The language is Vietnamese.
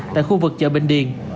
tại khu vực chợ bình điền